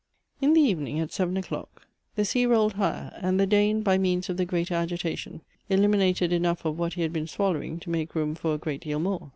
In the evening, at seven o'clock, the sea rolled higher, and the Dane, by means of the greater agitation, eliminated enough of what he had been swallowing to make room for a great deal more.